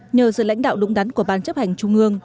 nhờ sự lãnh đạo đúng đắn của ban chấp hành trung ương